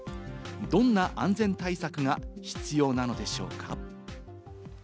どんな安全対策が必要なのでしょうか。